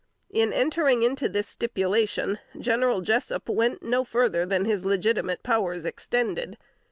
In entering into this stipulation, General Jessup went no farther than his legitimate powers extended.